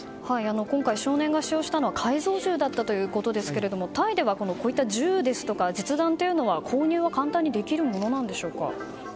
今回、少年が死傷したのは改造銃だったということですがタイではこういった銃や実弾というのは購入は簡単にできるものでしょうか。